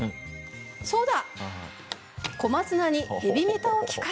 そうだ！